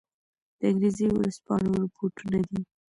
د انګرېزي ورځپاڼو رپوټونه دي.